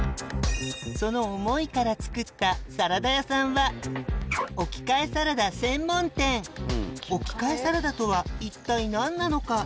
その思いから作ったサラダ屋さんは置き換えサラダとは一体何なのか？